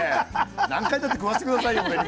何回だって食わせて下さいよ俺も。